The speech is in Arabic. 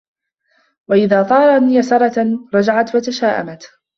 وَإِذَا طَارَ يَسْرَةً رَجَعَتْ وَتَشَاءَمَتْ